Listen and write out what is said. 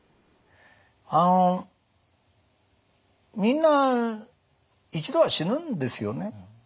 あのみんな一度は死ぬんですよね。